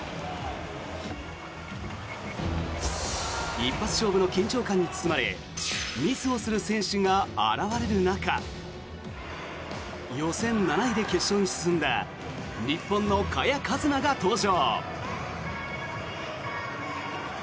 一発勝負の緊張感に包まれミスをする選手が現れる中予選７位で決勝に進んだ日本の萱和磨が登場。